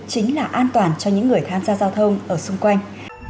chính là an toàn cho những người tham gia giao thông ở xung quanh